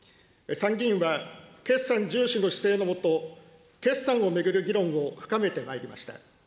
参議院は、決算重視の姿勢の下、決算を巡る議論を深めてまいりました。